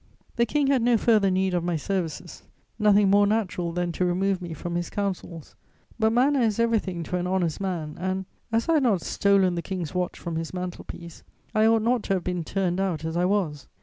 "The King had no further need of my services: nothing more natural than to remove me from his counsels; but manner is everything to an honest man and, as I had not stolen the King's watch from his mantel piece, I ought not to have been turned out as I was.